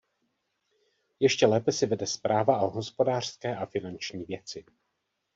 Ještě lépe si vede správa a hospodářské a finanční věci.